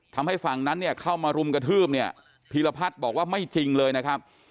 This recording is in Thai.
ทำให้ฝั่งนั้นเนี่ยเข้ามารุมกระทืบเนี่ยพีรพัฒน์บอกว่าไม่จริงเลยนะครับ